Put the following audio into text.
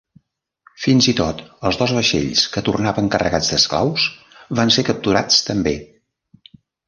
Fins i tot els dos vaixells que tornaven carregats d'esclaus van ser capturats també.